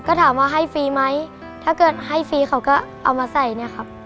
ก็ถามว่าให้ฟรีไหมถ้าเกิดให้ฟรีเขาก็เอามาใส่เนี่ยครับ